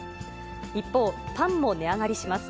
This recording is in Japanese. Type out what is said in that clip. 一方、パンも値上がりします。